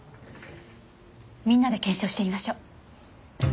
みんなで検証してみましょう。